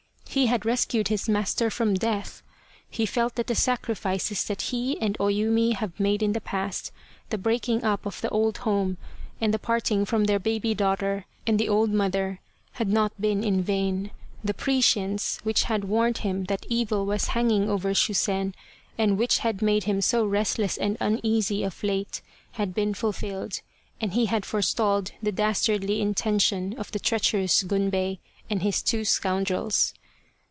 He had rescued his master from death. He felt that the sacrifices that he and O Yumi had made in the past the break ing up of the old home and the parting from their baby daughter and the old mother had not been in vain. The prescience, which had warned him that evil was hanging over Shusen, and which had made him so restless and uneasy of late, had been fulfilled, and he had forestalled the dastardly intention of the treacherous Gunbei and his two scoundrels.